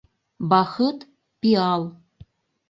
Бахыт — пиал.